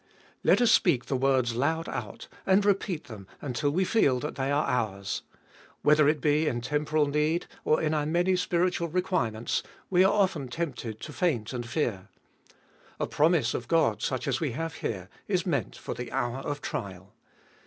Let us speak the words loud out, and repeat them until we feel that they are ours. Whether it be in temporal need, or in our many spiritual requirements, we are often tempted to faint and fear. A promise of God, such as we have here, is meant for the hour of trial.